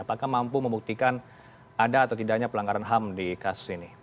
apakah mampu membuktikan ada atau tidaknya pelanggaran ham di kasus ini